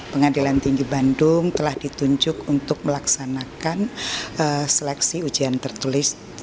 pengadilan tinggi bandung telah ditunjuk untuk melaksanakan seleksi ujian tertulis